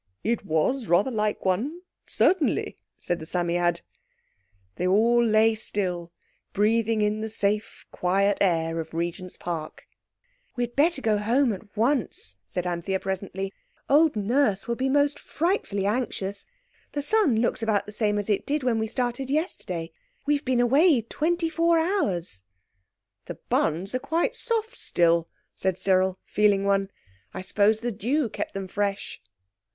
"It was rather like one, certainly," said the Psammead. They all lay still, breathing in the safe, quiet air of Regent's Park. "We'd better go home at once," said Anthea presently. "Old Nurse will be most frightfully anxious. The sun looks about the same as it did when we started yesterday. We've been away twenty four hours." "The buns are quite soft still," said Cyril, feeling one; "I suppose the dew kept them fresh."